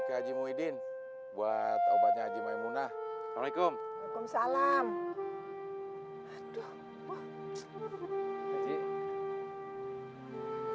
ke aji muhyiddin buat obatnya aji maimunah assalamualaikum waalaikumsalam